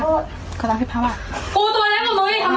ไม่อยู่หนูไม่สู้คนค่ะ